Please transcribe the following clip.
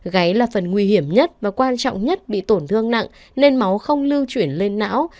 gáy là phần nguy hiểm nhất và quan trọng nhất bị tổn thương nặng nên máu không lưu chuyển lên não